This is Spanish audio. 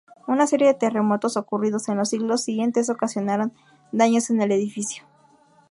Una serie de terremotos ocurridos en los siglos siguientes ocasionaron daños en el edificio.